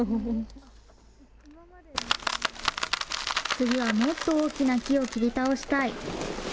次はもっと大きな木を切り倒したい。